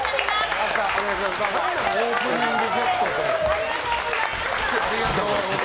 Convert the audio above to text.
ありがとうございます。